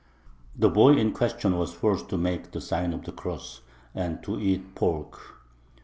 The boy in question was forced to make the sign of the cross and to eat pork.